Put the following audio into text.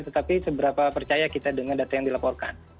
tetapi seberapa percaya kita dengan data yang dilaporkan